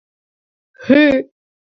Хы!